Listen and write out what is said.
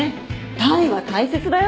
単位は大切だよ。